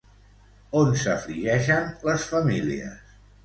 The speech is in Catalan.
On s'afligeixen les famílies?